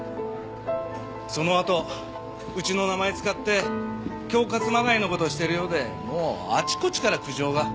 そのあとうちの名前使って恐喝まがいの事をしてるようでもうあちこちから苦情が。